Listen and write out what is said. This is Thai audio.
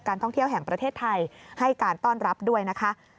ท่องเที่ยวแห่งประเทศไทยให้การต้อนรับด้วยนะคะ